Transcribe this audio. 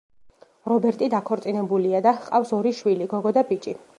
რობერტი დაქორწინებულია და ჰყავს ორი შვილი: გოგო და ბიჭი.